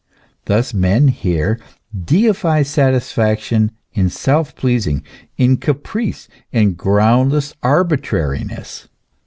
Thus man here deifies satisfaction in self pleasing, in caprice and ground less arbitrariness.